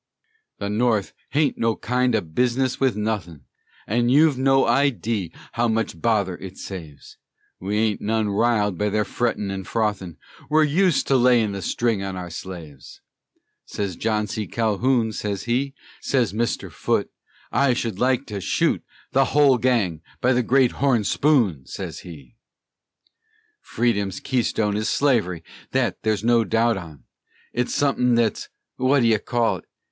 "The North haint no kind o' bisness with nothin', An' you've no idee how much bother it saves; We aint none riled by their frettin' an' frothin', We're used to layin' the string on our slaves," Sez John C. Calhoun, sez he; Sez Mister Foote, "I should like to shoot The holl gang, by the gret horn spoon!" sez he. "Freedom's keystone is Slavery, thet ther's no doubt on, It's sutthin' thet's wha' d'ye call it?